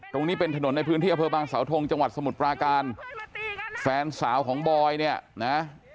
ตรงนี้เป็นถนนในพื้นที่อำเภอบางสาวทงจังหวัดสมุทรปราการแฟนสาวของบอยเนี่ยนะ